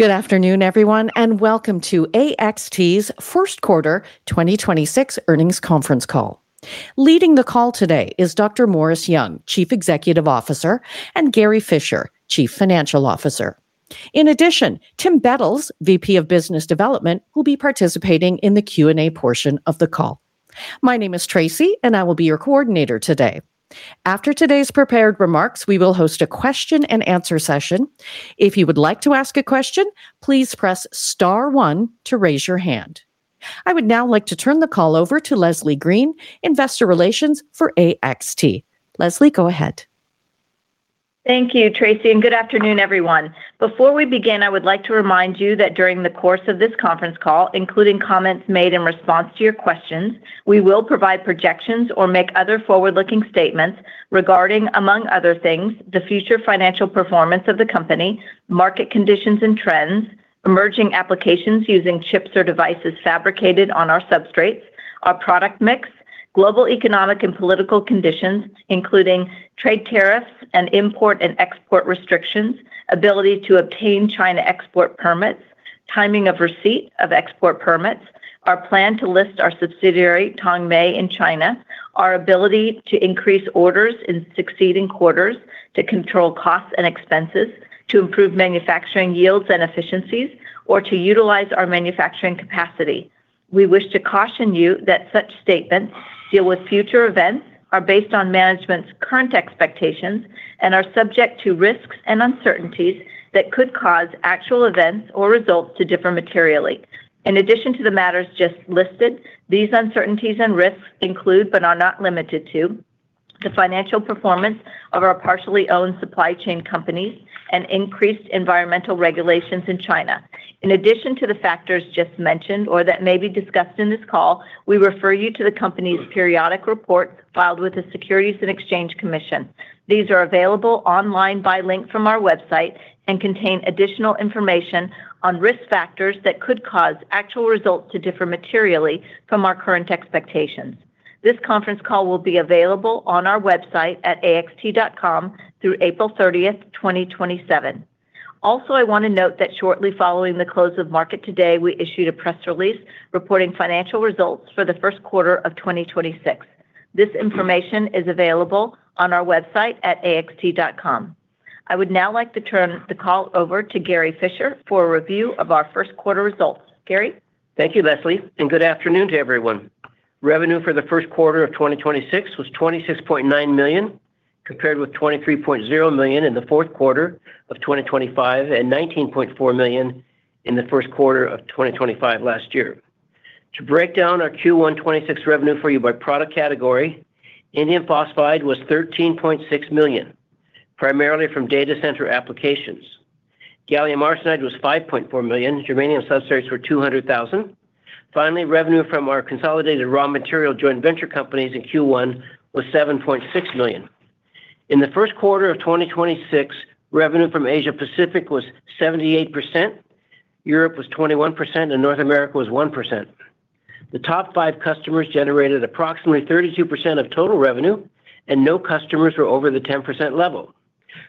Good afternoon, everyone, and welcome to AXT's First Quarter 2026 Earnings Conference Call. Leading the call today is Dr. Morris Young, Chief Executive Officer, and Gary Fischer, Chief Financial Officer. In addition, Tim Bettles, VP of Business Development, will be participating in the Q&A portion of the call. My name is Tracy, and I will be your coordinator today. After today's prepared remarks, we will host a question and answer session. If you would like to ask a question, please press star one to raise your hand. I would now like to turn the call over to Leslie Green, Investor Relations for AXT. Leslie, go ahead. Thank you, Tracy, and good afternoon, everyone. Before we begin, I would like to remind you that during the course of this conference call, including comments made in response to your questions, we will provide projections or make other forward-looking statements regarding, among other things, the future financial performance of the company, market conditions and trends, emerging applications using chips or devices fabricated on our substrates, our product mix, global economic and political conditions, including trade tariffs and import and export restrictions, ability to obtain China export permits, timing of receipt of export permits, our plan to list our subsidiary, Tongmei, in China, our ability to increase orders in succeeding quarters to control costs and expenses, to improve manufacturing yields and efficiencies, or to utilize our manufacturing capacity. We wish to caution you that such statements deal with future events, are based on management's current expectations, and are subject to risks and uncertainties that could cause actual events or results to differ materially. In addition to the matters just listed, these uncertainties and risks include but are not limited to the financial performance of our partially owned supply chain companies and increased environmental regulations in China. In addition to the factors just mentioned or that may be discussed in this call, we refer you to the company's periodic report filed with the Securities and Exchange Commission. These are available online by link from our website and contain additional information on risk factors that could cause actual results to differ materially from our current expectations. This conference call will be available on our website at axt.com through April 30th, 2027. Also, I want to note that shortly following the close of market today, we issued a press release reporting financial results for the first quarter of 2026. This information is available on our website at axt.com. I would now like to turn the call over to Gary Fischer for a review of our first quarter results. Gary? Thank you, Leslie, and good afternoon to everyone. Revenue for the first quarter of 2026 was $26.9 million, compared with $23.0 million in the fourth quarter of 2025 and $19.4 million in the first quarter of 2025 last year. To break down our Q1 2026 revenue for you by product category, Indium Phosphide was $13.6 million, primarily from data center applications. Gallium Arsenide was $5.4 million. Germanium substrates were $200,000. Finally, revenue from our consolidated raw material joint venture companies in Q1 was $7.6 million. In the first quarter of 2026, revenue from Asia Pacific was 78%, Europe was 21%, and North America was 1%. The top five customers generated approximately 32% of total revenue, and no customers were over the 10% level.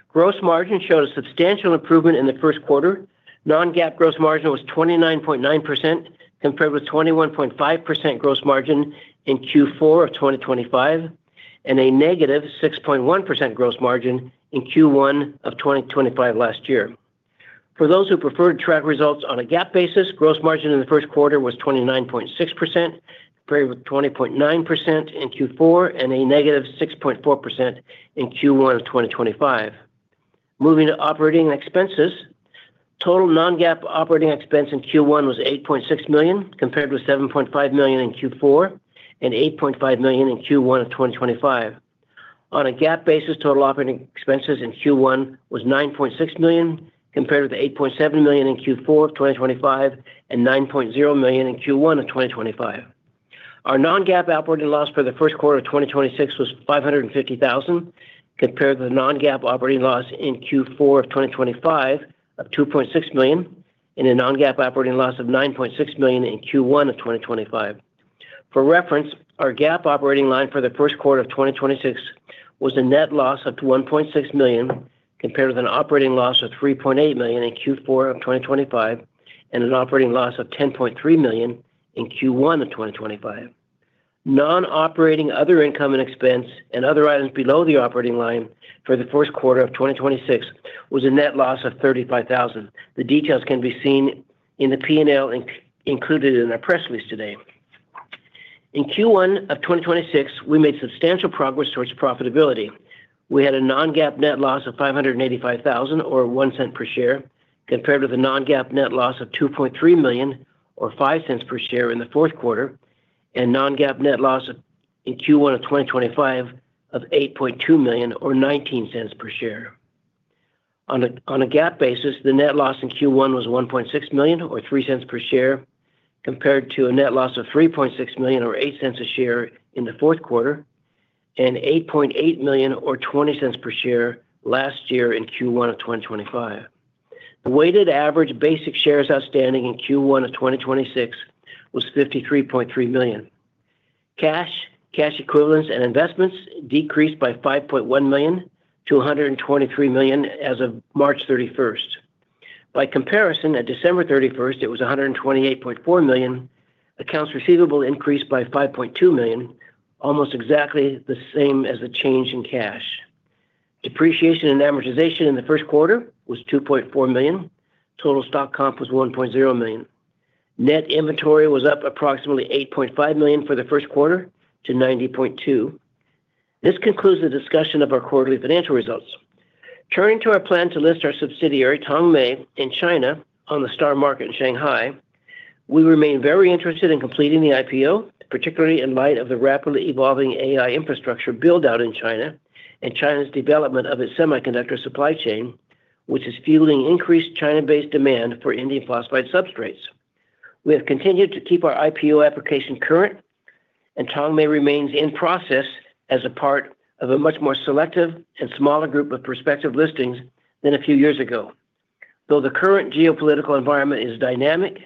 Gross margin showed a substantial improvement in the first quarter. Non-GAAP gross margin was 29.9% compared with 21.5% gross margin in Q4 of 2025 and a -6.1% gross margin in Q1 of 2025 last year. For those who prefer to track results on a GAAP basis, gross margin in the first quarter was 29.6%, compared with 20.9% in Q4 and a -6.4% in Q1 of 2025. Moving to operating expenses, total non-GAAP operating expense in Q1 was $8.6 million, compared with $7.5 million in Q4 and $8.5 million in Q1 of 2025. On a GAAP basis, total operating expenses in Q1 was $9.6 million, compared with $8.7 million in Q4 of 2025 and $9.0 million in Q1 of 2025. Our non-GAAP operating loss for the first quarter of 2026 was $550,000, compared to the non-GAAP operating loss in Q4 of 2025 of $2.6 million and a non-GAAP operating loss of $9.6 million in Q1 of 2025. For reference, our GAAP operating line for the first quarter of 2026 was a net loss of $1.6 million, compared with an operating loss of $3.8 million in Q4 of 2025 and an operating loss of $10.3 million in Q1 of 2025. Non-operating other income and expense and other items below the operating line for the first quarter of 2026 was a net loss of $35,000. The details can be seen in the P&L included in our press release today. In Q1 of 2026, we made substantial progress towards profitability. We had a non-GAAP net loss of $585,000 or $0.01 per share, compared with a non-GAAP net loss of $2.3 million or $0.05 per share in the fourth quarter and non-GAAP net loss in Q1 of 2025 of $8.2 million or $0.19 per share. On a GAAP basis, the net loss in Q1 was $1.6 million or $0.03 per share, compared to a net loss of $3.6 million or $0.08 a share in the fourth quarter and $8.8 million or $0.20 per share last year in Q1 of 2025. The weighted average basic shares outstanding in Q1 of 2026 was 53.3 million. Cash, cash equivalents and investments decreased by $5.1 million to $123 million as of March 31st. By comparison, at December 31st, it was $128.4 million. Accounts receivable increased by $5.2 million, almost exactly the same as the change in cash. Depreciation and amortization in the first quarter was $2.4 million. Total stock comp was $1.0 million. Net inventory was up approximately $8.5 million for the first quarter to $90.2 million. This concludes the discussion of our quarterly financial results. Turning to our plan to list our subsidiary, Tongmei, in China on the STAR Market in Shanghai, we remain very interested in completing the IPO, particularly in light of the rapidly evolving AI infrastructure build-out in China and China's development of its semiconductor supply chain, which is fueling increased China-based demand for Indium Phosphide substrates. We have continued to keep our IPO application current, and Tongmei remains in process as a part of a much more selective and smaller group of prospective listings than a few years ago. Though the current geopolitical environment is dynamic,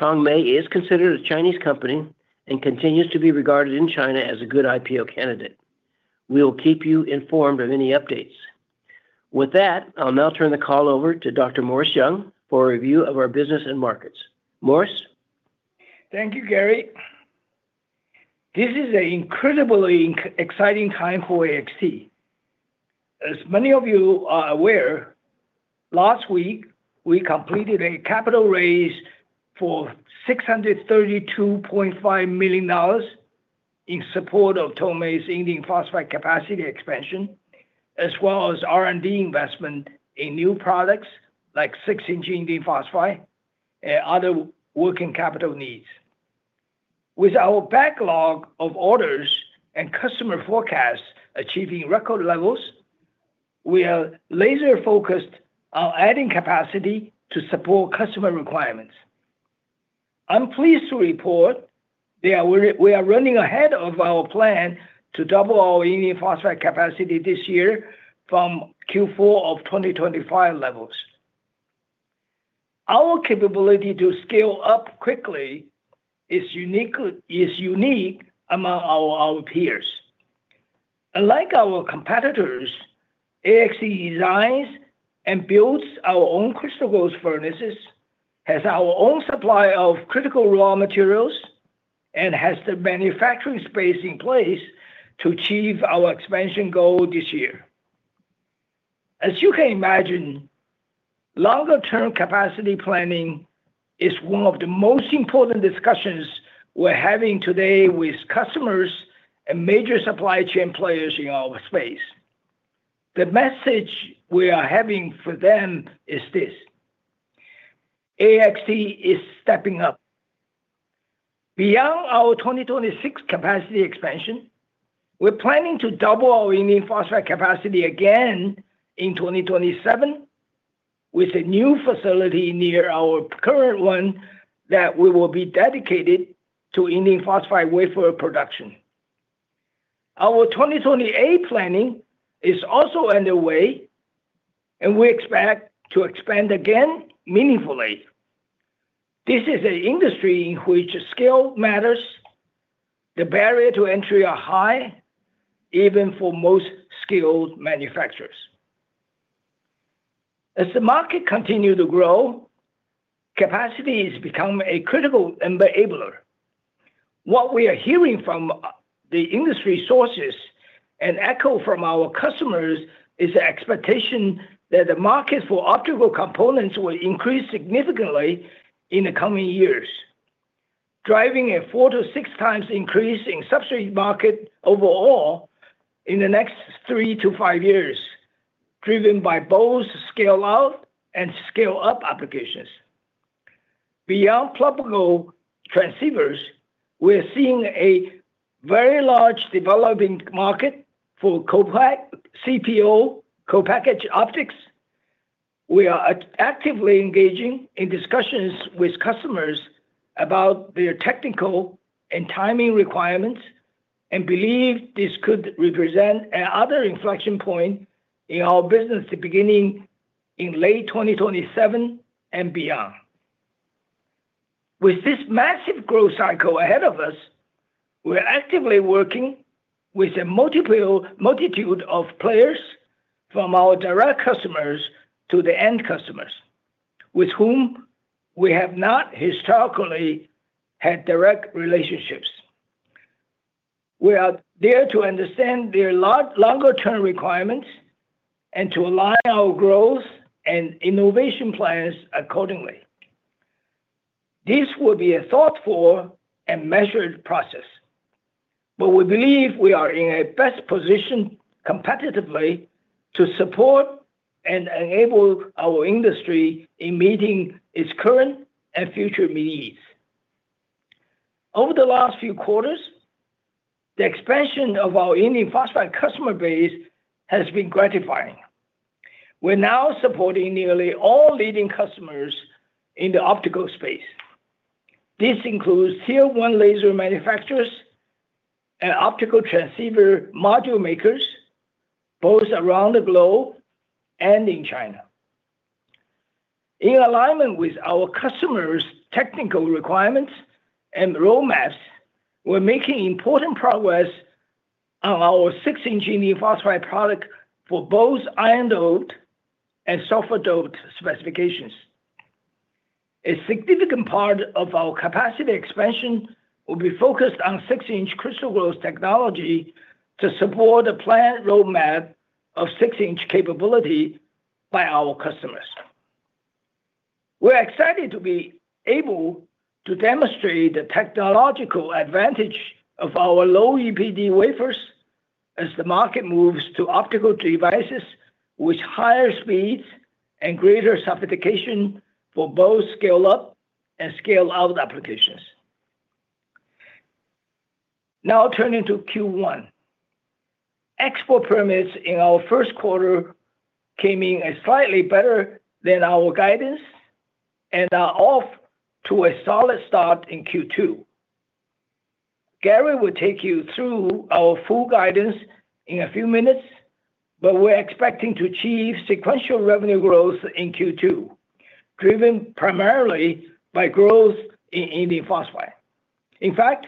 Tongmei is considered a Chinese company and continues to be regarded in China as a good IPO candidate. We'll keep you informed of any updates. With that, I'll now turn the call over to Dr. Morris Young for a review of our business and markets. Morris? Thank you, Gary. This is an incredibly exciting time for AXT. As many of you are aware, last week, we completed a capital raise for $632.5 million in support of Tongmei's Indium Phosphide capacity expansion, as well as R&D investment in new products like 6-inch Indium Phosphide and other working capital needs. With our backlog of orders and customer forecasts achieving record levels, we are laser-focused on adding capacity to support customer requirements. I'm pleased to report that we are running ahead of our plan to double our Indium Phosphide capacity this year from Q4 of 2025 levels. Our capability to scale up quickly is unique among our peers. Unlike our competitors, AXT designs and builds our own crystal growth furnaces, has our own supply of critical raw materials, and has the manufacturing space in place to achieve our expansion goal this year. As you can imagine, longer-term capacity planning is one of the most important discussions we're having today with customers and major supply chain players in our space. The message we are having for them is this "AXT is stepping up". Beyond our 2026 capacity expansion, we're planning to double our Indium Phosphide capacity again in 2027 with a new facility near our current one that we will be dedicated to Indium Phosphide wafer production. Our 2028 planning is also underway, and we expect to expand again meaningfully. This is an industry in which scale matters. The barrier to entry are high, even for most skilled manufacturers. As the market continues to grow, capacity has become a critical enabler. What we are hearing from the industry sources and echoed from our customers is the expectation that the market for optical components will increase significantly in the coming years, driving a 4x to 6x increase in substrate market overall in the next three to five years, driven by both scale-out and scale-up applications. Beyond pluggable transceivers, we're seeing a very large developing market for CPO, Co-Packaged Optics. We are actively engaging in discussions with customers about their technical and timing requirements and believe this could represent another inflection point in our business beginning in late 2027 and beyond. With this massive growth cycle ahead of us, we're actively working with a multitude of players from our direct customers to the end customers, with whom we have not historically had direct relationships. We are there to understand their long, longer-term requirements and to align our growth and innovation plans accordingly. This will be a thoughtful and measured process, but we believe we are in a best position competitively to support and enable our industry in meeting its current and future needs. Over the last few quarters, the expansion of our Indium Phosphide customer base has been gratifying. We're now supporting nearly all leading customers in the optical space. This includes Tier 1 laser manufacturers and optical transceiver module makers, both around the globe and in China. In alignment with our customers' technical requirements and roadmaps, we're making important progress on our 6-inch Indium Phosphide product for both iron doped and sulfur doped specifications. A significant part of our capacity expansion will be focused on 6-inch crystal growth technology to support the planned roadmap of 6-inch capability by our customers. We're excited to be able to demonstrate the technological advantage of our low EPD wafers as the market moves to optical devices with higher speeds and greater sophistication for both scale up and scale out applications. Now turning to Q1. Export permits in our first quarter came in as slightly better than our guidance and are off to a solid start in Q2. Gary will take you through our full guidance in a few minutes, but we're expecting to achieve sequential revenue growth in Q2, driven primarily by growth in Indium Phosphide. In fact,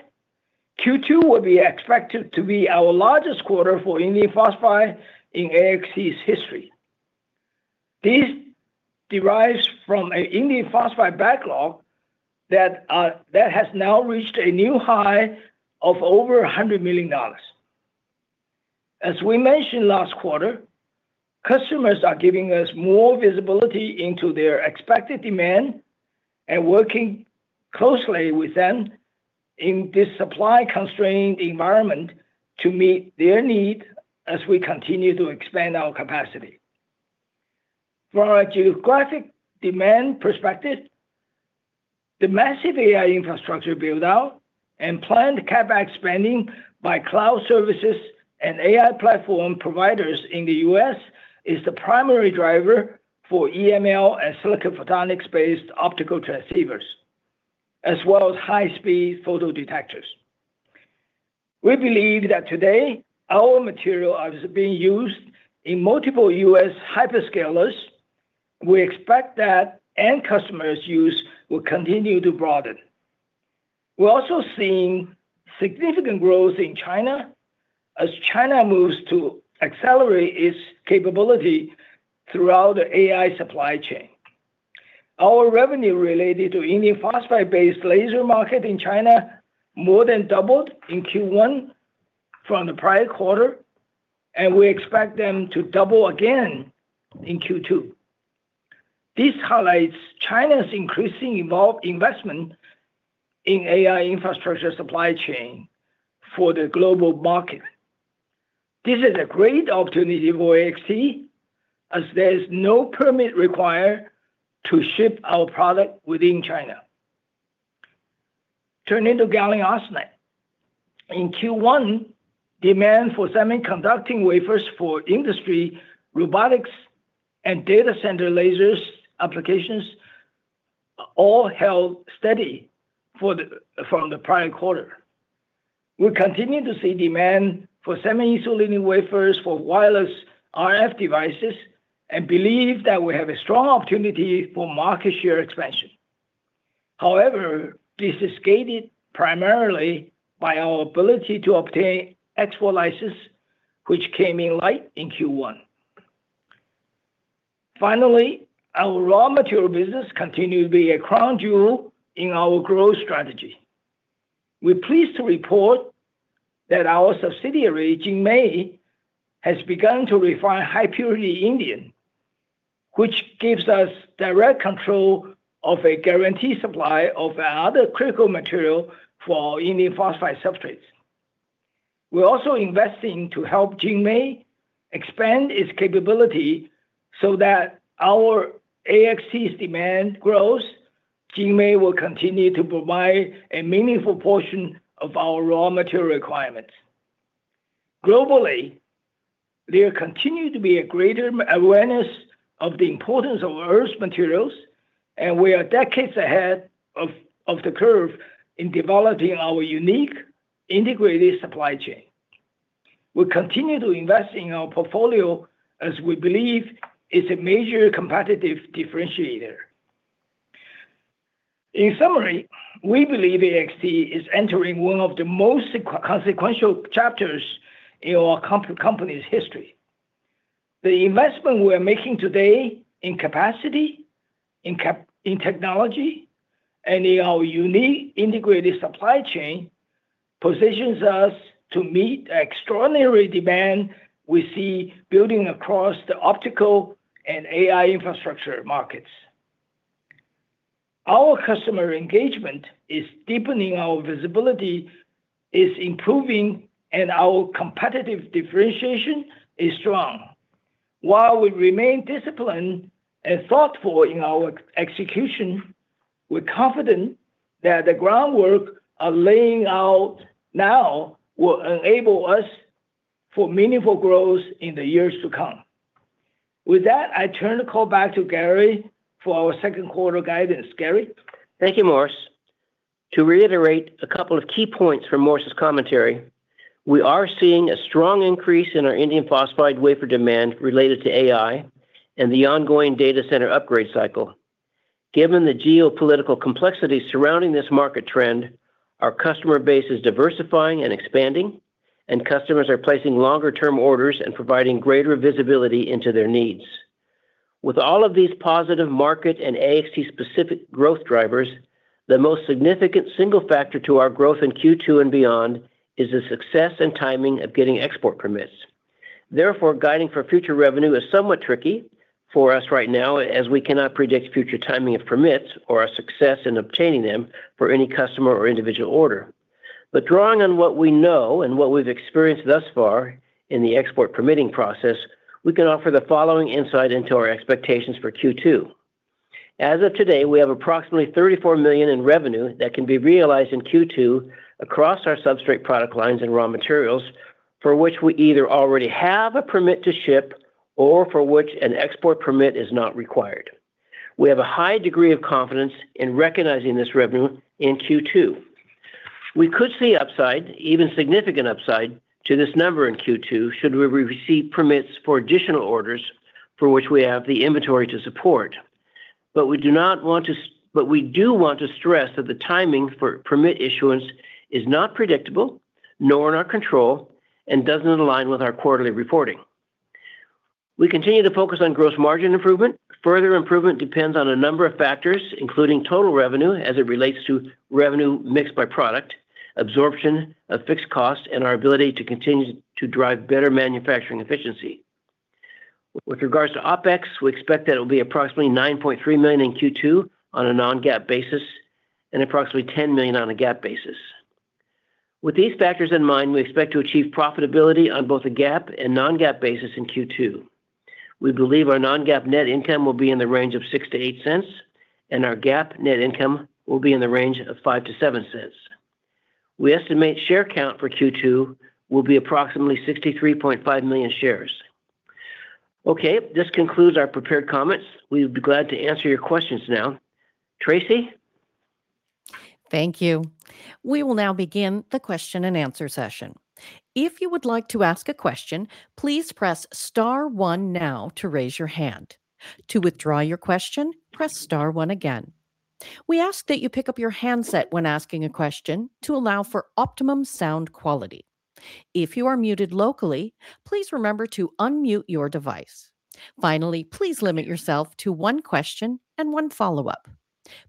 Q2 will be expected to be our largest quarter for Indium Phosphide in AXT's history. This derives from an Indium Phosphide backlog that has now reached a new high of over $100 million. As we mentioned last quarter, customers are giving us more visibility into their expected demand and working closely with them in this supply-constrained environment to meet their need as we continue to expand our capacity. From a geographic demand perspective, the massive AI infrastructure build-out and planned CapEx spending by cloud services and AI platform providers in the U.S. is the primary driver for EML and Silicon Photonics-based optical transceivers, as well as high-speed photodetectors. We believe that today our material is being used in multiple U.S. hyperscalers. We expect that end customers' use will continue to broaden. We're also seeing significant growth in China as China moves to accelerate its capability throughout the AI supply chain. Our revenue related to Indium Phosphide-based laser market in China more than doubled in Q1 from the prior quarter. We expect them to double again in Q2. This highlights China's increasing investment in AI infrastructure supply chain for the global market. This is a great opportunity for AXT as there is no permit required to ship our product within China. Turning to Gallium Arsenide. In Q1, demand for semiconducting wafers for industry, robotics, and data center lasers applications all held steady from the prior quarter. We continue to see demand for semi-insulating wafers for wireless RF devices and believe that we have a strong opportunity for market share expansion. However, this is gated primarily by our ability to obtain export license, which came in light in Q1. Finally, our raw material business continue to be a crown jewel in our growth strategy. We're pleased to report that our subsidiary, JinMei, has begun to refine high-purity indium, which gives us direct control of a guaranteed supply of another critical material for our Indium Phosphide substrates. We're also investing to help JinMei expand its capability so that our AXT's demand grows, JinMei will continue to provide a meaningful portion of our raw material requirements. Globally, there continue to be a greater awareness of the importance of earth's materials, and we are decades ahead of the curve in developing our unique integrated supply chain. We continue to invest in our portfolio as we believe it's a major competitive differentiator. In summary, we believe AXT is entering one of the most consequential chapters in our company's history. The investment we're making today in capacity, in technology, and in our unique integrated supply chain positions us to meet extraordinary demand we see building across the optical and AI infrastructure markets. Our customer engagement is deepening, our visibility is improving, and our competitive differentiation is strong. While we remain disciplined and thoughtful in our execution, we're confident that the groundwork we are laying out now will enable us for meaningful growth in the years to come. With that, I turn the call back to Gary for our second quarter guidance. Gary? Thank you, Morris. To reiterate a couple of key points from Morris's commentary, we are seeing a strong increase in our Indium Phosphide wafer demand related to AI and the ongoing data center upgrade cycle. Given the geopolitical complexity surrounding this market trend, our customer base is diversifying and expanding, and customers are placing longer-term orders and providing greater visibility into their needs. With all of these positive market and AXT specific growth drivers, the most significant single factor to our growth in Q2 and beyond is the success and timing of getting export permits. Therefore, guiding for future revenue is somewhat tricky for us right now as we cannot predict future timing of permits or our success in obtaining them for any customer or individual order. Drawing on what we know and what we've experienced thus far in the export permitting process, we can offer the following insight into our expectations for Q2. As of today, we have approximately $34 million in revenue that can be realized in Q2 across our substrate product lines and raw materials, for which we either already have a permit to ship or for which an export permit is not required. We have a high degree of confidence in recognizing this revenue in Q2. We could see upside, even significant upside, to this number in Q2 should we receive permits for additional orders for which we have the inventory to support. We do want to stress that the timing for permit issuance is not predictable, nor in our control, and doesn't align with our quarterly reporting. We continue to focus on gross margin improvement. Further improvement depends on a number of factors, including total revenue as it relates to revenue mixed by product, absorption of fixed cost, and our ability to continue to drive better manufacturing efficiency. With regards to OpEx, we expect that it'll be approximately $9.3 million in Q2 on a non-GAAP basis and approximately $10 million on a GAAP basis. With these factors in mind, we expect to achieve profitability on both a GAAP and non-GAAP basis in Q2. We believe our non-GAAP net income will be in the range of $0.06-$0.08, and our GAAP net income will be in the range of $0.05-$0.07. We estimate share count for Q2 will be approximately 63.5 million shares. Okay. This concludes our prepared comments. We'll be glad to answer your questions now. Tracy? Thank you. We will now begin the question and answer session. If you would like to ask a question, please press star one now to raise your hand. To withdraw your question, press star one again. We ask that you pick up your handset when asking a question to allow for optimum sound quality. If you are muted locally, please remember to unmute your device. Finally, please limit yourself to one question and one follow-up.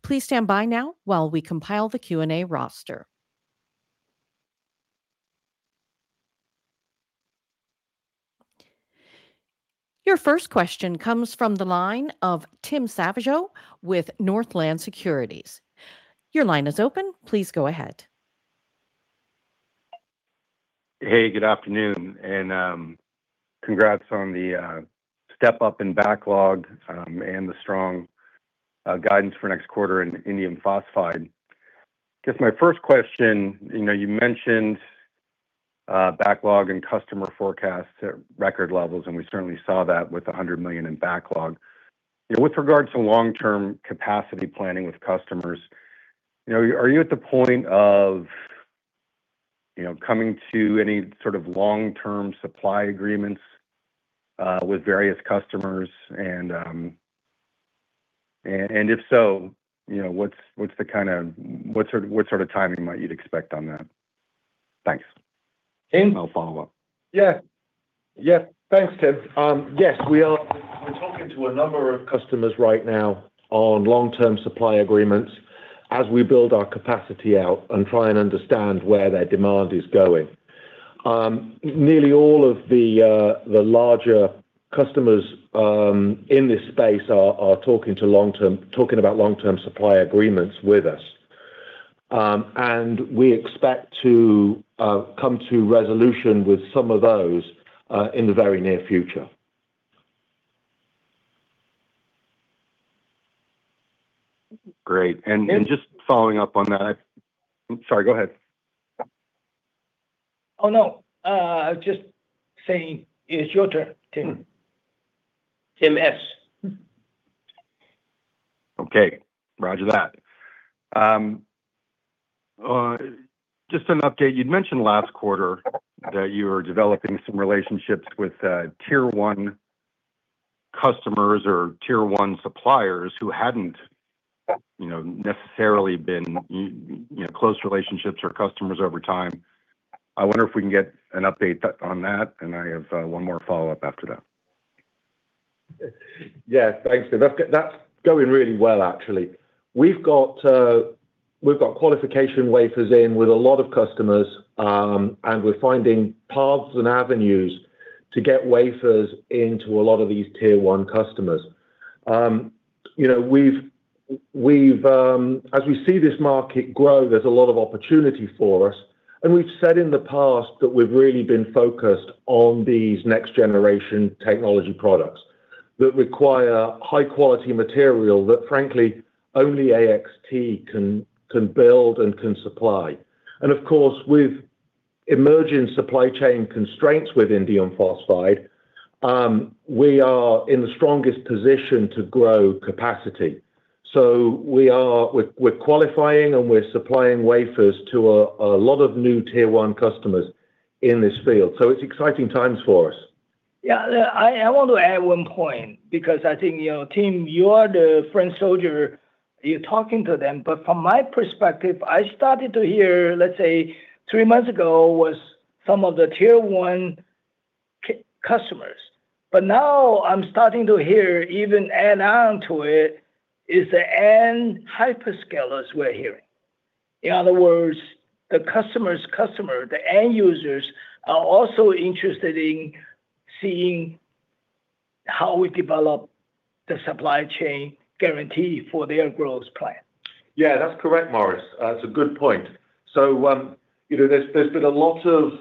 Please stand by now while we compile the Q&A roster. Your first question comes from the line of Tim Savageaux with Northland Securities. Your line is open. Please go ahead. Hey, good afternoon, and congrats on the step up in backlog, and the strong guidance for next quarter in Indium Phosphide. Guess my first question, you know, you mentioned backlog and customer forecasts at record levels, and we certainly saw that with $100 million in backlog. You know, with regards to long-term capacity planning with customers, you know, are you at the point of, you know, coming to any sort of long-term supply agreements with various customers? If so, you know, what's the kind of, what sort of timing might you'd expect on that? Thanks. Tim? I'll follow up. Yeah. Yeah. Thanks, Tim. Yes, we're talking to a number of customers right now on long-term supply agreements as we build our capacity out and try and understand where their demand is going. Nearly all of the larger customers in this space are talking about long-term supply agreements with us. We expect to come to resolution with some of those in the very near future. Great. Just following up on that. Sorry, go ahead. Oh, no. I was just saying it's your turn, Tim. Tim S. Okay. Roger that. Just an update, you'd mentioned last quarter that you were developing some relationships with Tier 1 customers or Tier 1 suppliers who hadn't, you know, necessarily been, you know, close relationships or customers over time. I wonder if we can get an update on that, and I have one more follow-up after that. Yeah. Thanks, Tim. That's going really well, actually. We've got qualification wafers in with a lot of customers, and we're finding paths and avenues to get wafers into a lot of these Tier 1 customers. You know, we've, as we see this market grow, there's a lot of opportunity for us, and we've said in the past that we've really been focused on these next generation technology products that require high quality material that frankly only AXT can build and can supply. Of course, we've. Emerging supply chain constraints with Indium Phosphide, we are in the strongest position to grow capacity. We're qualifying and we're supplying wafers to a lot of new Tier 1 customers in this field. It's exciting times for us. Yeah. I want to add one point because I think, you know, Tim, you are the front soldier, you're talking to them. From my perspective, I started to hear, let's say three months ago, was some of the tier 1 customers. Now I'm starting to hear even add on to it, is the end hyperscalers we're hearing. In other words, the customer's customer, the end users, are also interested in seeing how we develop the supply chain guarantee for their growth plan. Yeah, that's correct, Morris. It's a good point. You know, there's been a lot of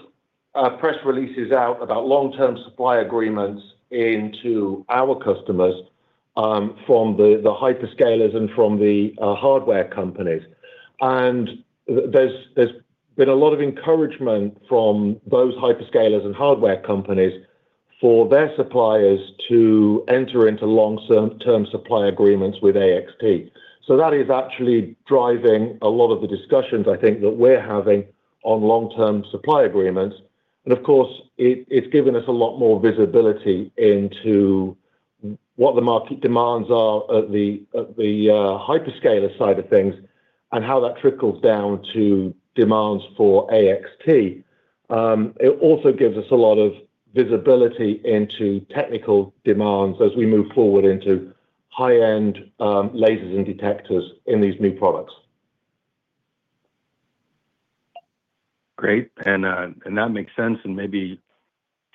press releases out about long-term supply agreements into our customers from the hyperscalers and from the hardware companies. There's been a lot of encouragement from those hyperscalers and hardware companies for their suppliers to enter into long-term supply agreements with AXT. That is actually driving a lot of the discussions, I think, that we're having on long-term supply agreements. Of course, it's given us a lot more visibility into what the market demands are at the hyperscaler side of things, and how that trickles down to demands for AXT. It also gives us a lot of visibility into technical demands as we move forward into high-end lasers and detectors in these new products. Great. That makes sense and maybe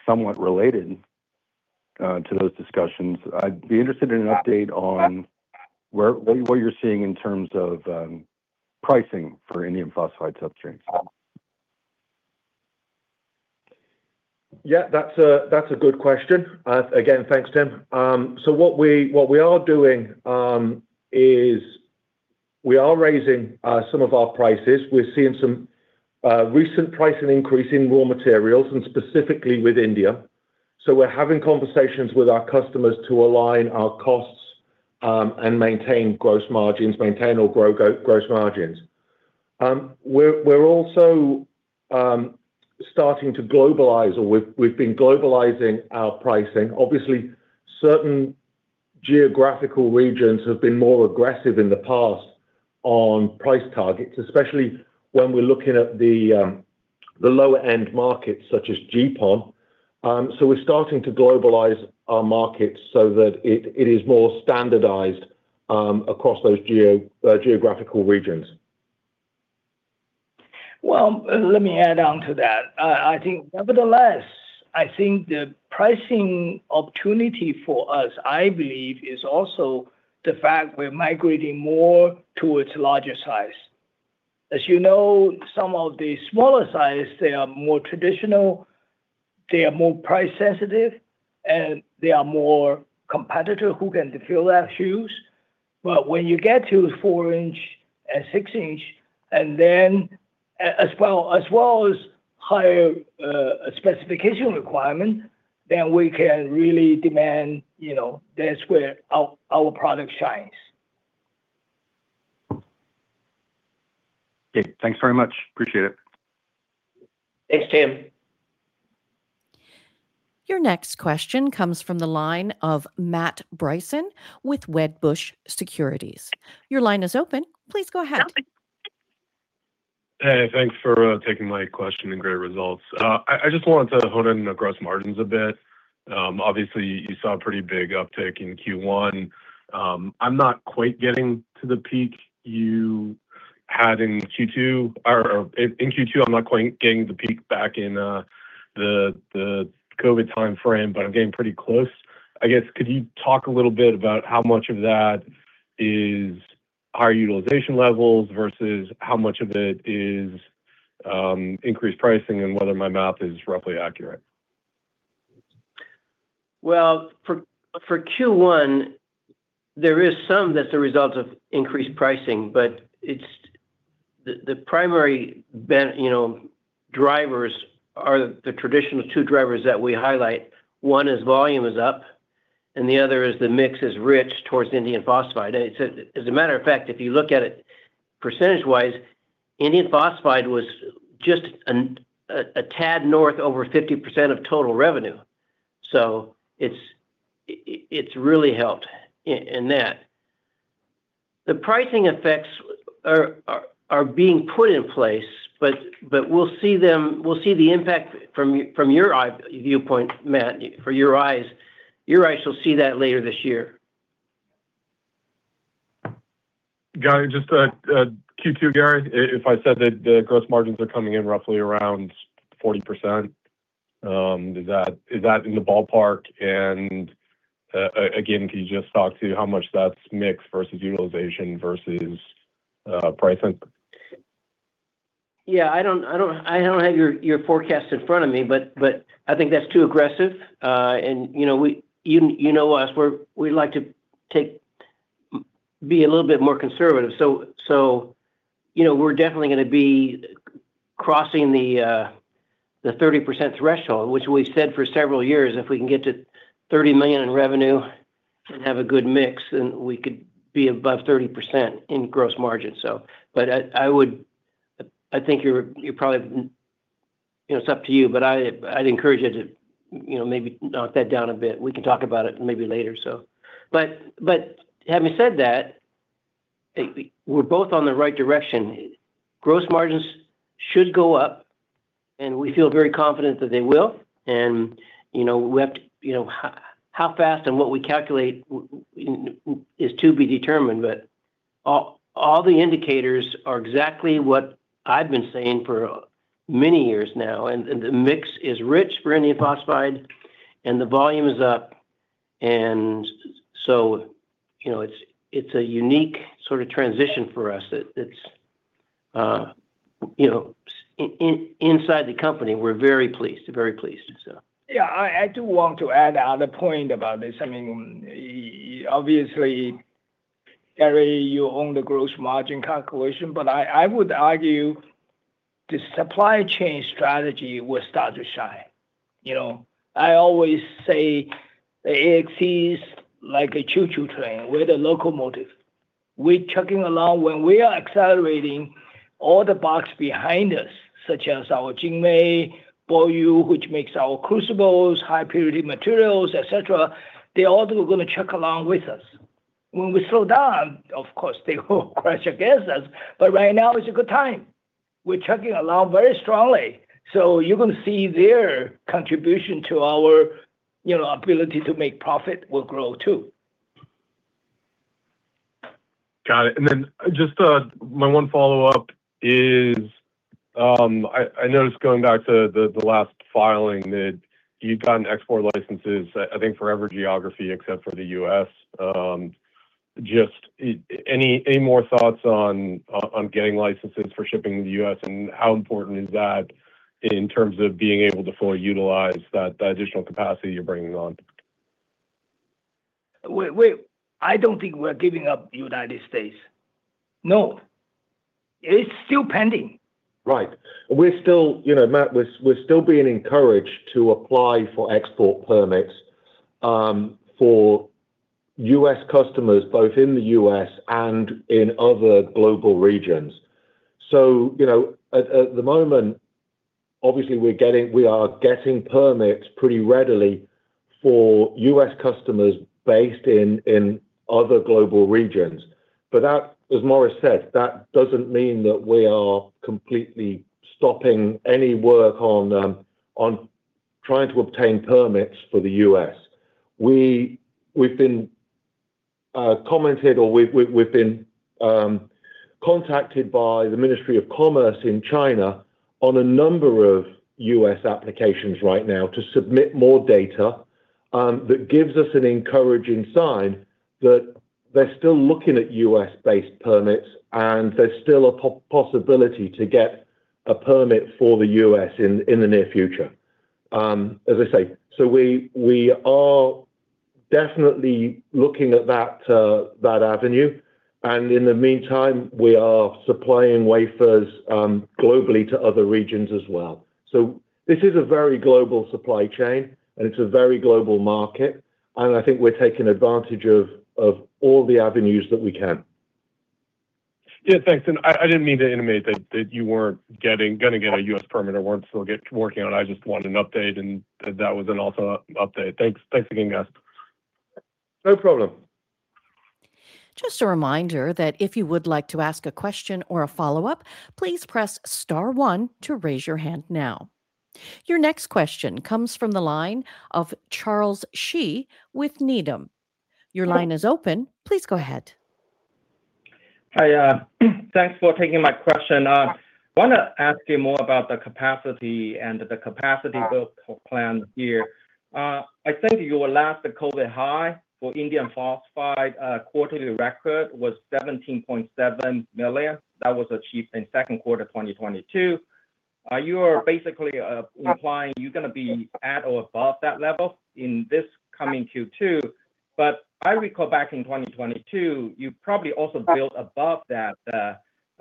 somewhat related to those discussions. I'd be interested in an update on where, what you're seeing in terms of pricing for Indium Phosphide substrates. Yeah, that's a, that's a good question. Again, thanks, Tim. What we are doing is we are raising some of our prices. We're seeing some recent pricing increase in raw materials, specifically with indium. We're having conversations with our customers to align our costs and maintain gross margins, maintain or grow gross margins. We're also starting to globalize or we've been globalizing our pricing. Obviously, certain geographical regions have been more aggressive in the past on price targets, especially when we're looking at the lower-end markets such as GPON. We're starting to globalize our markets so that it is more standardized across those geographical regions. Let me add on to that. I think nevertheless, I think the pricing opportunity for us, I believe, is also the fact we're migrating more towards larger size. As you know, some of the smaller size, they are more traditional, they are more price sensitive, and they are more competitor who can fill their shoes. But when you get to 4-inch and 6-inch, and then as well, as well as higher, specification requirement, then we can really demand, you know, that's where our product shines. Okay. Thanks very much. Appreciate it. Thanks, Tim. Your next question comes from the line of Matt Bryson with Wedbush Securities. Your line is open. Please go ahead. Hey, thanks for taking my question. Great results. I just wanted to hone in on gross margins a bit. Obviously you saw a pretty big uptick in Q1. I'm not quite getting to the peak you had in Q2, I'm not quite getting the peak back in the COVID time frame, but I'm getting pretty close. I guess, could you talk a little bit about how much of that is higher utilization levels versus how much of it is increased pricing, and whether my math is roughly accurate? For Q1, there is some that's a result of increased pricing, but it's the primary you know, drivers are the traditional two drivers that we highlight. One is volume is up, and the other is the mix is rich towards Indium Phosphide. As a matter of fact, if you look at it percentage-wise, Indium Phosphide was just an, a tad north over 50% of total revenue. It's really helped in that. The pricing effects are being put in place, but we'll see them, we'll see the impact from your eye viewpoint, Matt, for your eyes. Your eyes will see that later this year. Got it. Just, Q2, Gary, if I said that the gross margins are coming in roughly around 40%, is that in the ballpark? Again, can you just talk to how much that's mix versus utilization versus pricing? Yeah. I don't have your forecast in front of me, but I think that's too aggressive. You know, you know us, we like to take. Be a little bit more conservative. You know, we're definitely gonna be crossing the 30% threshold, which we've said for several years, if we can get to $30 million in revenue and have a good mix, then we could be above 30% in gross margin, so. I would. I think you're probably. You know, it's up to you, but I'd encourage you to, you know, maybe knock that down a bit. We can talk about it maybe later, so. Having said that, I, we're both on the right direction. Gross margins should go up, and we feel very confident that they will. You know, we have to, you know, how fast and what we calculate is to be determined. All the indicators are exactly what I've been saying for many years now. The mix is rich for Indium Phosphide, and the volume is up. You know, it's a unique sort of transition for us that it's, you know, inside the company, we're very pleased, so. Yeah, I do want to add another point about this. I mean, obviously, Gary, you own the gross margin calculation, I would argue the supply chain strategy will start to shine. You know. I always say AXT like a choo-choo train. We're the locomotive. We're chugging along. When we are accelerating, all the boxes behind us, such as our JinMei, BoYu, which makes our crucibles, high purity materials, et cetera, they also are gonna chug along with us. When we slow down, of course, they will crash against us. Right now is a good time. We're chugging along very strongly, you're gonna see their contribution to our, you know, ability to make profit will grow, too. Got it. My one follow-up is, I noticed going back to the last filing that you'd gotten export licenses, I think for every geography except for the U.S. Just any more thoughts on getting licenses for shipping to the U.S., and how important is that in terms of being able to fully utilize that additional capacity you're bringing on? I don't think we're giving up United States. No. It's still pending. Right. We're still, you know, Matt, we're still being encouraged to apply for export permits for U.S. customers both in the U.S. and in other global regions. You know, at the moment, obviously we are getting permits pretty readily for U.S. customers based in other global regions. That, as Morris said, that doesn't mean that we are completely stopping any work on trying to obtain permits for the U.S. We've been contacted by the Ministry of Commerce in China on a number of U.S. applications right now to submit more data that gives us an encouraging sign that they're still looking at U.S.-based permits, and there's still a possibility to get a permit for the U.S. in the near future, as I say. We are definitely looking at that avenue, and in the meantime, we are supplying wafers, globally to other regions as well. This is a very global supply chain, and it's a very global market, and I think we're taking advantage of all the avenues that we can. Yeah, thanks. I didn't mean to intimate that you weren't gonna get a U.S. permit or weren't working on it. I just wanted an update. That was an also update. Thanks. Thanks again guys. No problem. Just a reminder that if you would like to ask a question or a follow-up, please press star one to raise your hand now. Your next question comes from the line of Charles Shi with Needham. Your line is open. Please go ahead. Hi, thanks for taking my question. Wanna ask you more about the capacity and the capacity build plan here. I think your last COVID high for Indium Phosphide quarterly record was $17.7 million. That was achieved in second quarter 2022. You are basically implying you're gonna be at or above that level in this coming Q2, but I recall back in 2022, you probably also built above that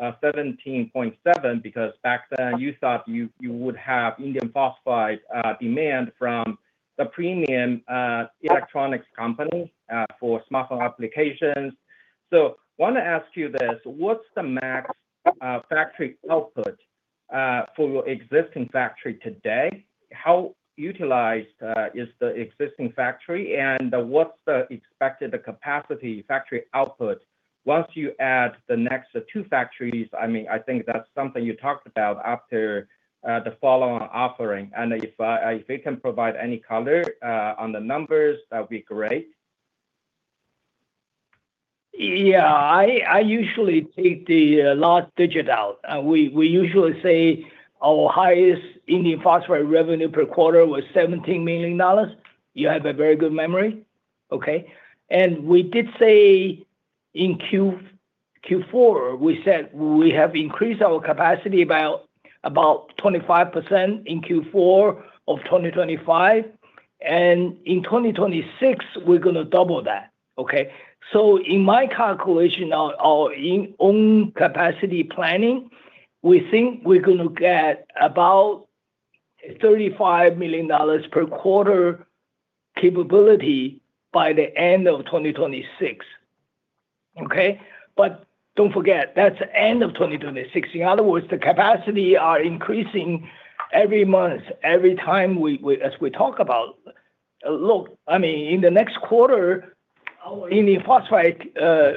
$17.7 because back then you thought you would have Indium Phosphide demand from the premium electronics company for smartphone applications. Wanna ask you this. What's the max factory output for your existing factory today? How utilized is the existing factory, and what's the expected capacity factory output once you add the next two factories? I mean, I think that's something you talked about after, the follow-on offering. If you can provide any color, on the numbers, that would be great. Yeah. I usually take the last digit out. We usually say our highest Indium Phosphide revenue per quarter was $17 million. You have a very good memory. Okay. We did say in Q4, we said we have increased our capacity about 25% in Q4 of 2025, and in 2026 we're gonna double that. Okay? In my calculation, our own capacity planning, we think we're gonna get about $35 million per quarter capability by the end of 2026. Okay? Don't forget, that's the end of 2026. In other words, the capacity are increasing every month, every time we as we talk about. Look, I mean, in the next quarter, our Indium Phosphide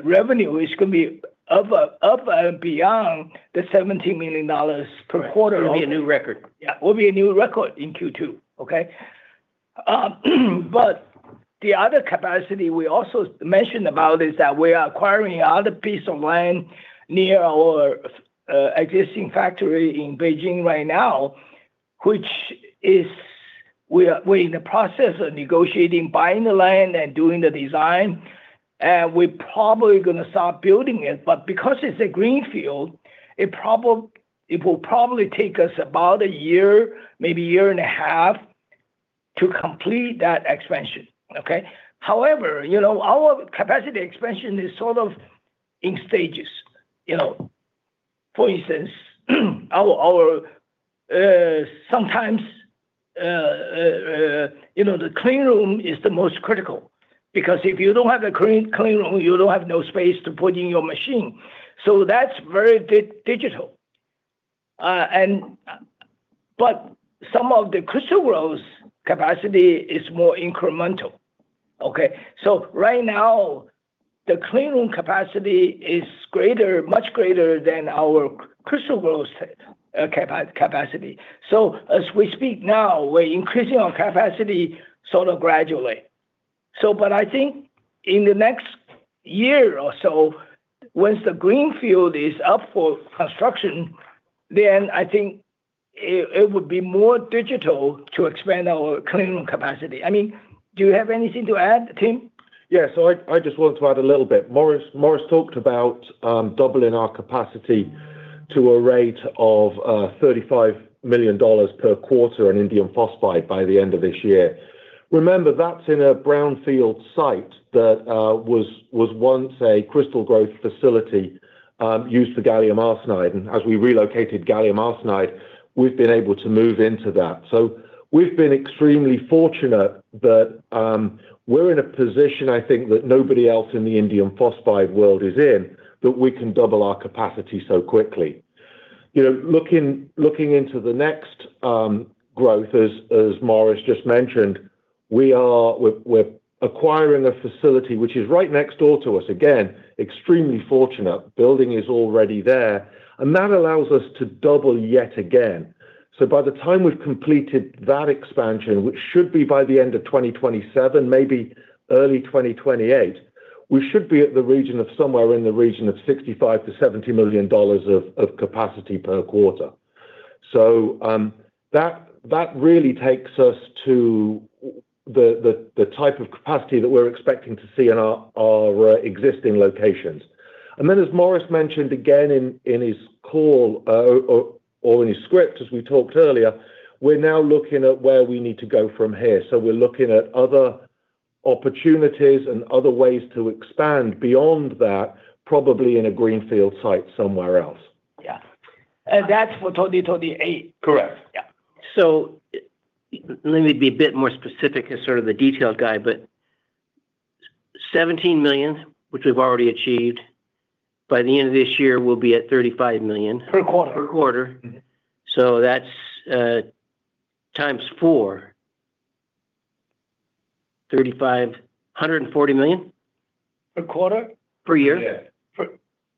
revenue is gonna be above and beyond the $17 million per quarter. It'll be a new record. Yeah. Will be a new record in Q2. Okay? The other capacity we also mentioned about is that we are acquiring another piece of land near our existing factory in Beijing right now, which is we're in the process of negotiating buying the land and doing the design, and we're probably gonna start building it. Because it's a greenfield, it will probably take us about a year, maybe a year and a half to complete that expansion. Okay? Our capacity expansion is sort of in stages, you know. For instance, our sometimes, you know, the clean room is the most critical because if you don't have a clean room, you don't have no space to put in your machine. That's very digital. Some of the crystal growth capacity is more incremental. Okay? Right now the clean room capacity is greater, much greater than our crystal growth capacity. As we speak now, we're increasing our capacity sort of gradually. I think in the next year or so, once the greenfield is up for construction, I think it would be more logical to expand our clean room capacity. I mean, do you have anything to add, Tim? I just wanted to add a little bit. Morris talked about doubling our capacity to a rate of $35 million per quarter in Indium Phosphide by the end of this year. Remember, that's in a brownfield site that was once a crystal growth facility used for Gallium Arsenide. As we relocated Gallium Arsenide, we've been able to move into that. We've been extremely fortunate that we're in a position I think that nobody else in the Indium Phosphide world is in, that we can double our capacity so quickly. You know, looking into the next growth as Morris just mentioned, we're acquiring a facility which is right next door to us. Again, extremely fortunate. Building is already there, that allows us to double yet again. By the time we've completed that expansion, which should be by the end of 2027, maybe early 2028, we should be at the region of somewhere in the region of $65 million-$70 million of capacity per quarter. That really takes us to the type of capacity that we're expecting to see in our existing locations. Then as Morris mentioned again in his call, or in his script as we talked earlier, we're now looking at where we need to go from here. We're looking at other opportunities and other ways to expand beyond that, probably in a greenfield site somewhere else. Yeah. That's for 2028. Correct. Yeah. Let me be a bit more specific as sort of the detailed guys, but $17 million, which we've already achieved, by the end of this year we'll be at $35 million. Per quarter. Per quarter. Mm-hmm. That's times four. $35 million, $140 million? Per quarter? Per year. Yeah.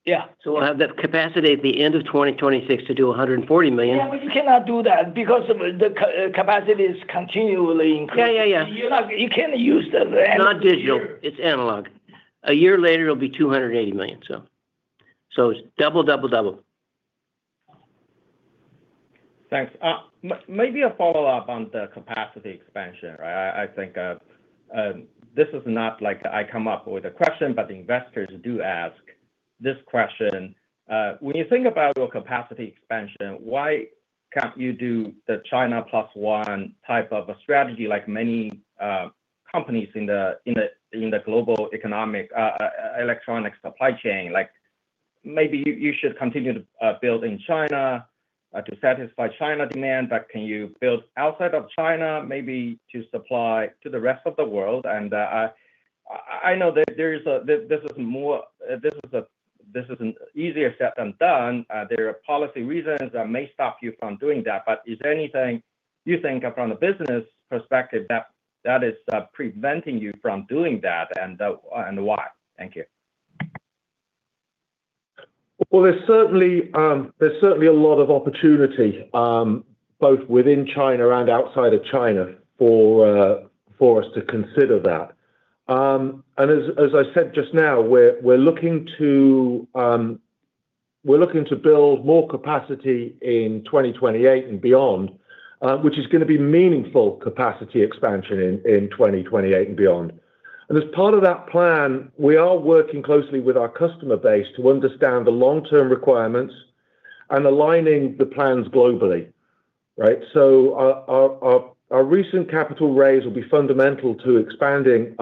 Yeah. We'll have the capacity at the end of 2026 to do $140 million. Yeah, you cannot do that because of the capacity is continually increasing. Yeah, yeah. You're not, you can't use the end of the year. It's not digital. It's analog. A year later it'll be $280 million. It's double, double. Thanks. Maybe a follow-up on the capacity expansion, right? I think this is not like I come up with a question, but the investors do ask this question. When you think about your capacity expansion, why can't you do the China Plus One type of a strategy like many companies in the global economic electronic supply chain? Like, maybe you should continue to build in China to satisfy China demand, but can you build outside of China maybe to supply to the rest of the world? I know that there is a this is more, easier said than done. There are policy reasons that may stop you from doing that, but is there anything you think of from the business perspective that is preventing you from doing that, and why? Thank you. Well, there's certainly, there's certainly a lot of opportunity, both within China and outside of China for us to consider that. As I said just now, we're looking to build more capacity in 2028 and beyond, which is going to be meaningful capacity expansion in 2028 and beyond. As part of that plan, we are working closely with our customer base to understand the long-term requirements and aligning the plans globally, right? Our recent capital raise will be fundamental to expanding,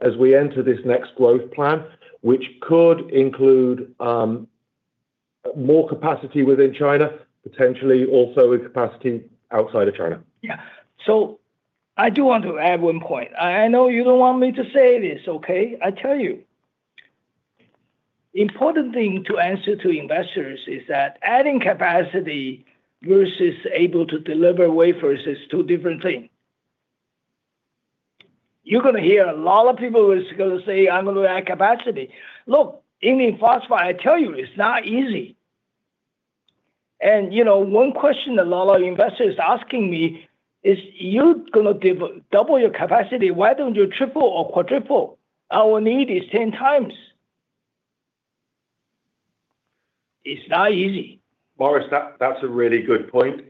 as we enter this next growth plan, which could include more capacity within China, potentially also with capacity outside of China. Yeah. I do want to add one point. I know you don't want me to say this, okay? I tell you, important thing to answer to investors is that adding capacity versus able to deliver wafers is two different thing. You're gonna hear a lot of people is gonna say, "I'm gonna add capacity." Look, Indium Phosphide, I tell you, it's not easy. You know, one question a lot of investors asking me is, "You gonna double your capacity, why don't you triple or quadruple? Our need is 10x." It's not easy. Morris, that's a really good point.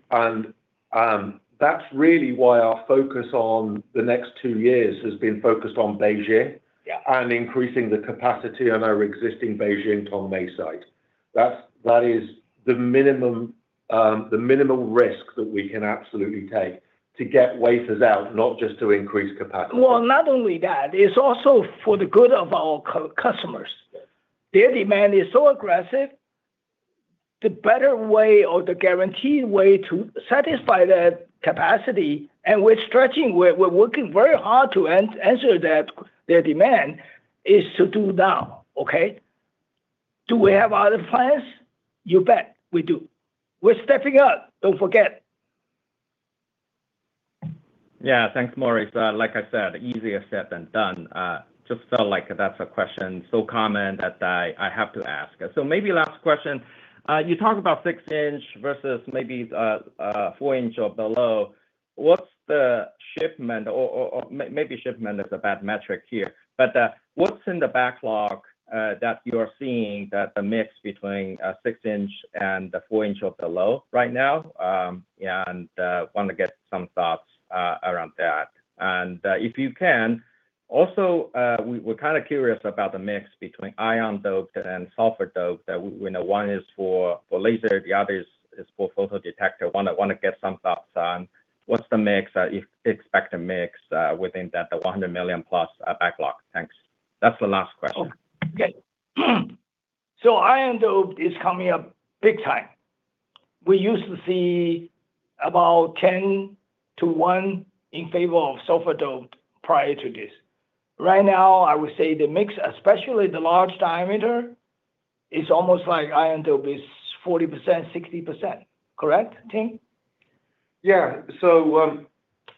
That's really why our focus on the next two years has been focused on Beijing. Yeah Increasing the capacity on our existing Beijing Tongmei site. That is the minimum, the minimum risk that we can absolutely take to get wafers out, not just to increase capacity. Well, not only that, it's also for the good of our customers. Their demand is so aggressive, the better way or the guaranteed way to satisfy that capacity, and we're stretching, we're working very hard to answer that, their demand, is to do now, okay? Do we have other plans? You bet, we do. We're stepping up, don't forget. Yeah. Thanks, Morris. Like I said, easier said than done. Just felt like that's a question so common that I have to ask. Maybe last question. You talk about 6-inch versus maybe 4-inch or below. What's the shipment or maybe shipment is a bad metric here, but what's in the backlog that you're seeing that the mix between 6-inch and the 4-inch or below right now? Yeah, and want to get some thoughts around that. If you can, also, we're kind of curious about the mix between iron doped and sulfur doped. We know one is for laser, the other is for photodetector. Want to get some thoughts on what's the mix you expect to mix within that, the $100 million plus backlog. Thanks. That's the last question. Okay. Iron doped is coming up big time. We used to see about 10 to one in favor of sulfur doped prior to this. Right now, I would say the mix, especially the large diameter, is almost like iron doped is 40%, 60%. Correct, Tim?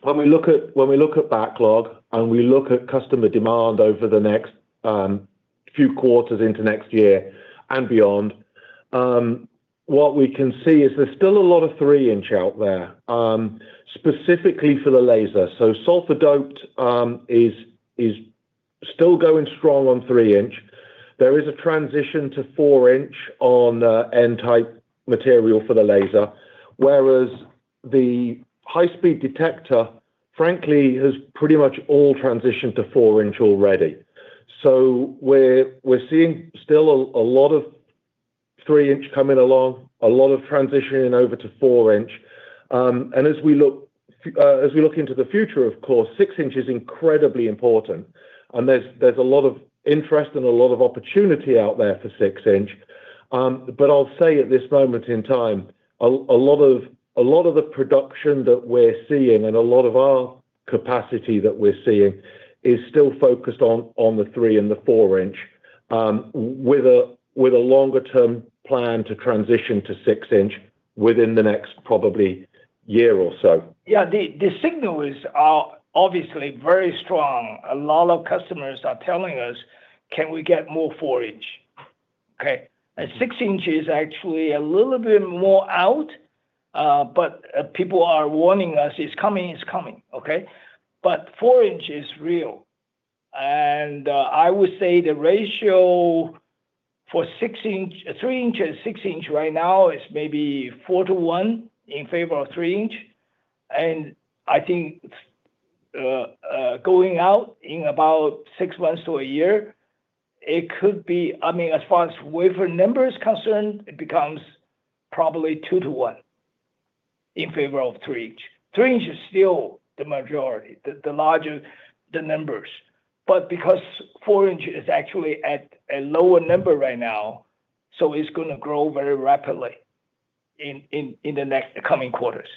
When we look at, when we look at backlog and we look at customer demand over the next few quarters into next year and beyond, what we can see is there's still a lot of 3-inch out there, specifically for the laser. sulfur doped is still going strong on 3-inch. There is a transition to 4-inch on N-type material for the laser, whereas the high-speed detector, frankly, has pretty much all transitioned to 4-inch already. We're seeing still a lot of 3-inch coming along, a lot of transitioning over to 4-inch. As we look into the future, of course, 6-inch is incredibly important, and there's a lot of interest and a lot of opportunity out there for 6-inch. I'll say at this moment in time, a lot of the production that we're seeing and a lot of our capacity that we're seeing is still focused on the 3 and 4-inch, with a longer term plan to transition to 6-inch within the next probably year or so. Yeah. The, the signal is, are obviously very strong. A lot of customers are telling us, "Can we get more 4-inch?" Okay. 6-inch is actually a little bit more out, but people are warning us it's coming, it's coming, okay? 4-inch is real. I would say the ratio for 6-inch, 3-inch and 6-inch right now is maybe 4 to 1 in favor of 3-inch. I think, going out in about six months to one year, it could be, I mean, as far as wafer number is concerned, it becomes probably two to one in favor of 3-inch. 3-inch is still the majority, the larger, the numbers. Because 4-inch is actually at a lower number right now, so it's gonna grow very rapidly in the next coming quarters.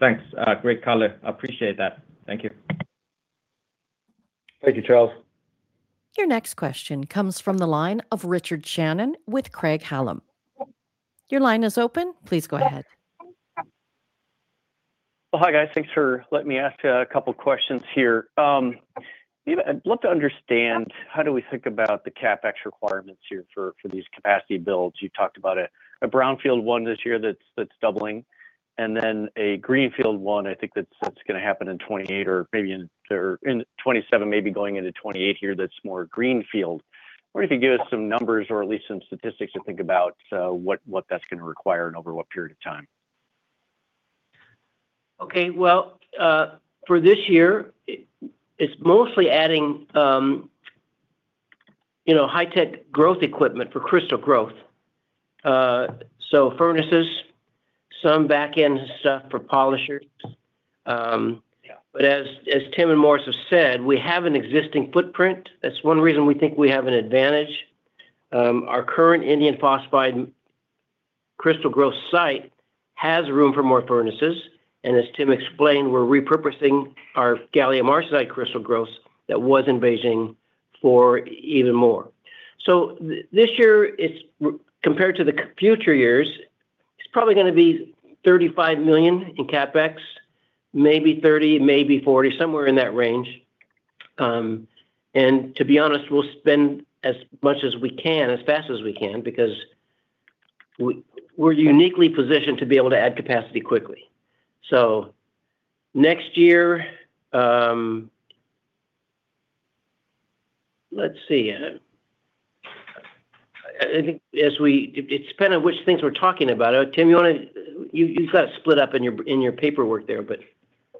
Thanks. Great color. I appreciate that. Thank you. Thank you, Charles. Your next question comes from the line of Richard Shannon with Craig-Hallum. Your line is open. Please go ahead. Well, hi, guys. Thanks for letting me ask a couple questions here. I'd love to understand how do we think about the CapEx requirements here for these capacity builds. You talked about a Brownfield 1 this year that's doubling. Then a Greenfield 1, I think that's gonna happen in 2028 or maybe in or in 2027, maybe going into 2028 here that's more greenfield. I wonder if you could give us some numbers or at least some statistics to think about what that's gonna require and over what period of time. Okay. Well, for this year, it's mostly adding, you know, high-tech growth equipment for crystal growth. Furnaces, some backend stuff for polishers. Yeah As Tim and Morris have said, we have an existing footprint. That's one reason we think we have an advantage. Our current Indium Phosphide crystal growth site has room for more furnaces, and as Tim explained, we're repurposing our Gallium Arsenide crystal growth that was in Beijing for even more. This year compared to future years, it's probably gonna be $35 million in CapEx, maybe $30 million, maybe $40 million, somewhere in that range. To be honest, we'll spend as much as we can as fast as we can because we're uniquely positioned to be able to add capacity quickly. Next year, it's dependent on which things we're talking about. Tim, you wanna, you've got it split up in your, in your paperwork there.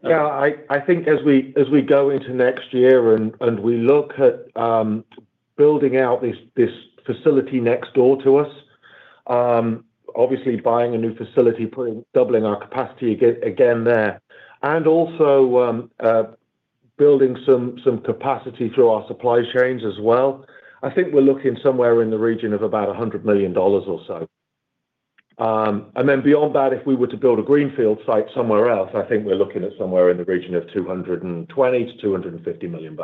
I think as we, as we go into next year and we look at building out this facility next door to us, obviously buying a new facility, putting, doubling our capacity again there, and also building some capacity through our supply chains as well, I think we're looking somewhere in the region of about $100 million or so. Beyond that, if we were to build a greenfield site somewhere else, I think we're looking at somewhere in the region of $220 million-$250 million,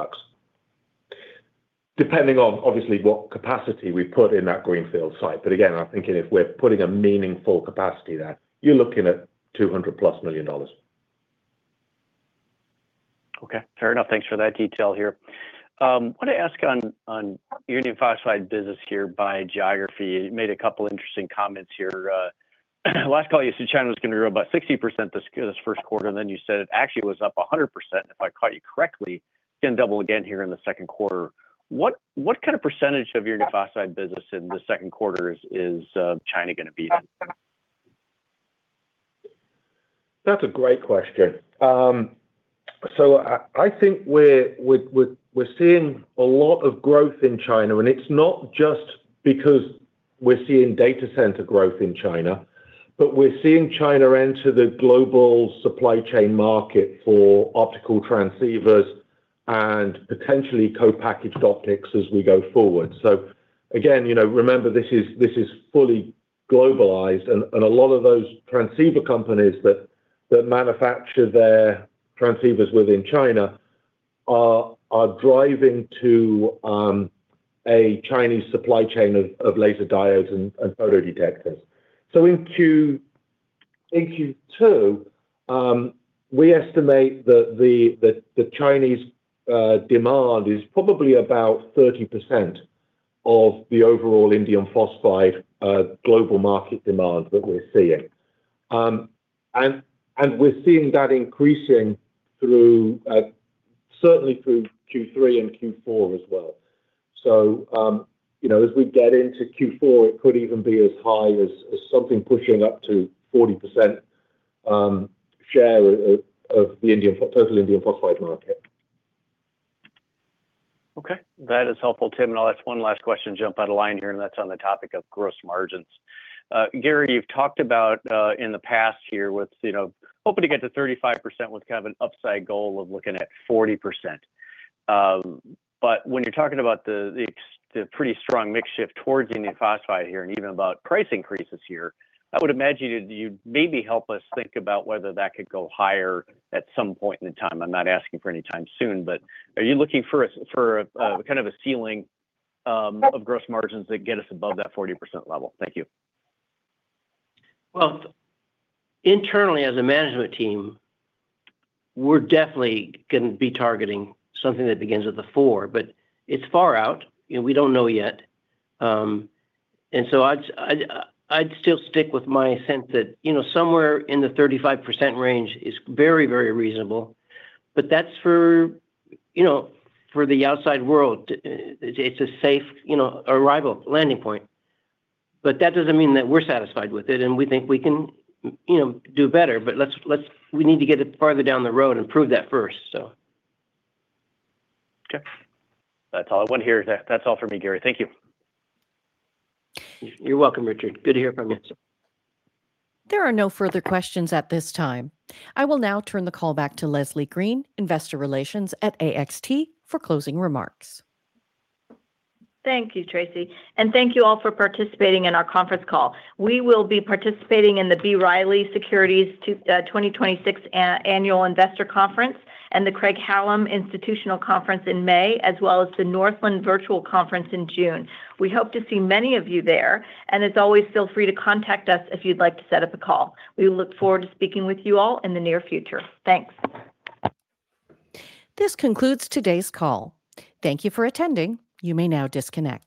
depending on obviously what capacity we put in that greenfield site. Again, I'm thinking if we're putting a meaningful capacity there, you're looking at $200+ million. Okay. Fair enough. Thanks for that detail here. Wanted to ask on your Indium Phosphide business here by geography. You made a couple interesting comments here. Last call you said China was gonna grow by 60% this first quarter, and then you said it actually was up 100%, if I caught you correctly. It's gonna double again here in the second quarter. What kind of percentage of your Indium Phosphide business in the second quarter is China gonna be? That's a great question. I think we're seeing a lot of growth in China, and it's not just because we're seeing data center growth in China, but we're seeing China enter the global supply chain market for optical transceivers and potentially co-packaged optics as we go forward. Again, you know, remember this is fully globalized, and a lot of those transceiver companies that manufacture their transceivers within China are driving to a Chinese supply chain of laser diodes and photodetectors. In Q2, we estimate that the Chinese demand is probably about 30% of the overall Indium Phosphide global market demand that we're seeing. We're seeing that increasing through certainly through Q3 and Q4 as well. You know, as we get into Q4, it could even be as high as something pushing up to 40% share of the total Indium Phosphide market. Okay. That is helpful, Tim, I'll ask one last question, jump on the line here, and that's on the topic of gross margins. Gary, you've talked about in the past here with, you know, hoping to get to 35% with kind of an upside goal of looking at 40%. When you're talking about the pretty strong mix shift towards Indium Phosphide here and even about price increases here, I would imagine you'd maybe help us think about whether that could go higher at some point in time. I'm not asking for any time soon, but are you looking for a for a kind of a ceiling of gross margins that get us above that 40% level? Thank you. Well, internally as a management team, we're definitely gonna be targeting something that begins with a four, but it's far out, you know, we don't know yet. I'd still stick with my sense that, you know, somewhere in the 35% range is very, very reasonable, but that's for, you know, for the outside world. It's a safe, you know, arrival, landing point. That doesn't mean that we're satisfied with it and we think we can, you know, do better. Let's get it farther down the road and prove that first, so. Okay. That's all I want to hear. That's all for me, Gary. Thank you. You're welcome, Richard. Good to hear from you. There are no further questions at this time. I will now turn the call back to Leslie Green, Investor Relations at AXT, for closing remarks. Thank you, Tracy, and thank you all for participating in our conference call. We will be participating in the B. Riley Securities 2026 Annual Investor Conference and the Craig-Hallum Institutional Conference in May, as well as the Northland Virtual Conference in June. We hope to see many of you there. As always, feel free to contact us if you'd like to set up a call. We look forward to speaking with you all in the near future. Thanks. This concludes today's call. Thank you for attending. You may now disconnect.